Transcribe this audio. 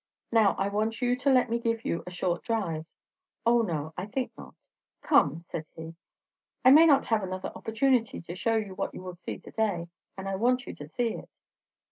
"Now I want you to let me give you a short drive." "O no, I think not." "Come!" said he. "I may not have another opportunity to show you what you will see to day; and I want you to see it."